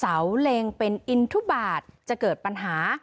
เล็งเป็นอินทุบาทจะเกิดปัญหา